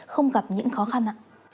không gặp những khó khăn